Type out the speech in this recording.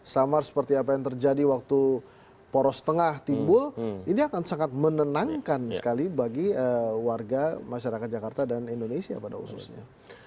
sama seperti apa yang terjadi waktu poros tengah timbul ini akan sangat menenangkan sekali bagi warga masyarakat jakarta dan indonesia pada ususnya